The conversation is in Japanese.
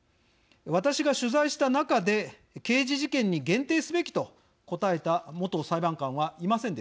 私が取材した中で刑事事件に限定すべきと答えた元裁判官はいませんでした。